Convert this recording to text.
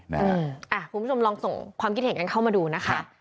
คุณผู้ชมลองส่งความคิดเห็นกันเข้ามาดูนะคะ